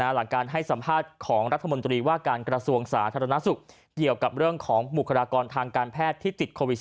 หลังการให้สัมภาษณ์ของรัฐมนตรีว่าการกระทรวงสาธารณสุขเกี่ยวกับเรื่องของบุคลากรทางการแพทย์ที่ติดโควิด๑๙